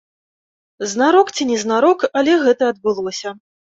Знарок ці незнарок, але гэта адбылося.